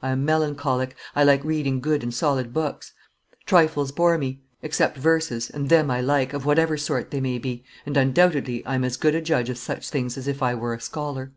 I am melancholic; I like reading good and solid books; trifles bore me, except verses, and them I like, of whatever sort they may be, and undoubtedly I am as good a judge of such things as if I were a scholar."